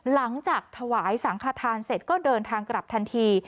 หลังจากถวายสังขทานเสร็จก็เดินทางกลับทันที